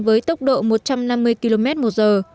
với tốc độ một trăm năm mươi km một giờ